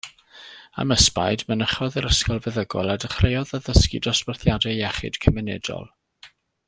Am ysbaid, mynychodd yr ysgol feddygol a dechreuodd addysgu dosbarthiadau iechyd cymunedol.